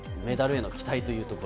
メダルへの期待は。